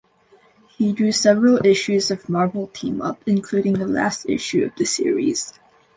He drew several issues of "Marvel Team-Up" including the last issue of the series.